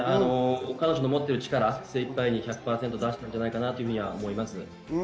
彼女の持っている力、精いっぱい、１００％出したんじゃないかなと思います。